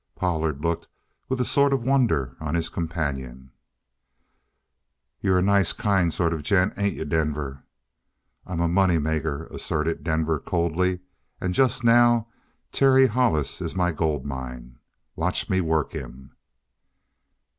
Pollard looked with a sort of wonder on his companion. "You're a nice, kind sort of a gent, ain't you, Denver?" "I'm a moneymaker," asserted Denver coldly. "And, just now, Terry Hollis is my gold mine. Watch me work him!"